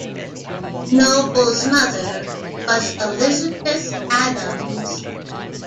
Noble's mother was Elizabeth Adams.